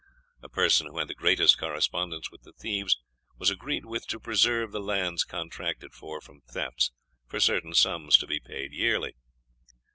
_ A person who had the greatest correspondence with the thieves was agreed with to preserve the lands contracted for from thefts, for certain sums to be paid yearly.